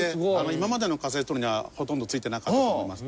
今までの仮設トイレにはほとんど付いてなかったと思います。